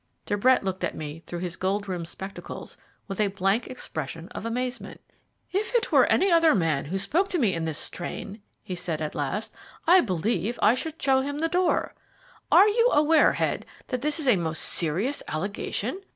De Brett looked at me through his gold rimmed spectacles with a blank expression of amazement. "If it were any other man who spoke to me in this strain," he said at last, "I believe I should show him the door. Are you aware, Head, that this is a most serious allegation?